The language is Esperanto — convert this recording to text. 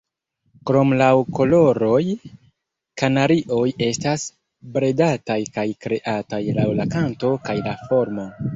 Krom laŭ koloroj, kanarioj estas bredataj kaj kreataj laŭ la kanto kaj la formo.